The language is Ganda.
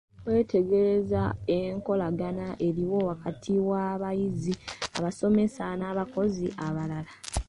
Wetegereza enkolagana eriwo wakati w'abayizi, abasomesa n'abakozi abalala.